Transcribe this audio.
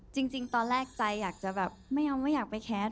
จริงตอนแรกใจอยากจะแบบไม่ยอมไม่อยากไปแคส